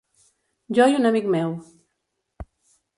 Jo i un amic meu.